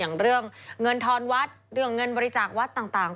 อย่างเรื่องเงินทอนวัดเรื่องเงินบริจาควัดต่าง